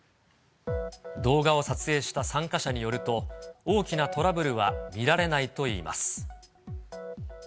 動画を撮影した参加者によると、大きなトラブルは見られないといいます。